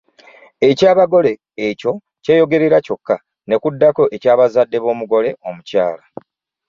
Eky’abagole ekyo kyeyogerera kyokka ne kuddako eky’abazadde b’omugole omukyala.